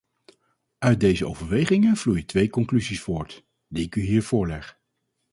Uit deze overwegingen vloeien twee conclusies voort, die ik u hier voorleg.